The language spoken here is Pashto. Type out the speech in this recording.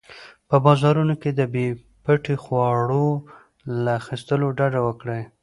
په بازارونو کې د بې پټي خواړو له اخیستلو ډډه وکړئ.